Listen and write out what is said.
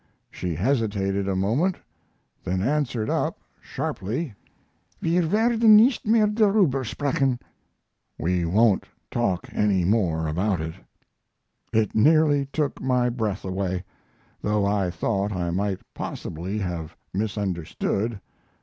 She hesitated a moment, then answered up, sharply: "Wir werden nichts mehr daruber sprechen!" (We won't talk any more about it.) It nearly took my breath away, though I thought I might possibly have misunderstood.